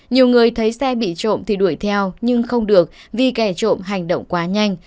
nhiều người thấy xe bị trộm thì đuổi theo nhưng không được vì kẻ trộm hành động quá nhanh